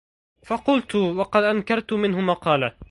فقلت وقد أنكرت منه مقالة